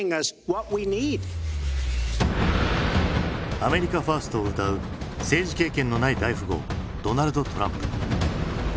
アメリカ・ファーストをうたう政治経験のない大富豪ドナルド・トランプ。